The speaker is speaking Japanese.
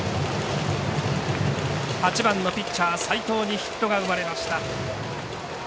８番のピッチャー、齋藤にヒットが生まれました。